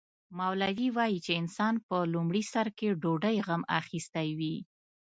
مولوي وايي چې انسان په لومړي سر کې ډوډۍ غم اخیستی وي.